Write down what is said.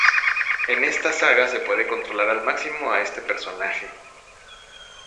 En esta saga se puede controlar al máximo a este personaje.